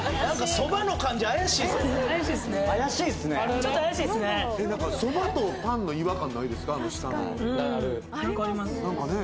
何かそばとパンの違和感ないですか？